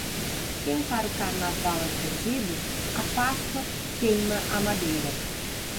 Quem para o Carnaval é cozido, a Páscoa queima a madeira.